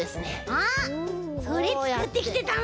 あっそれつくってきてたの？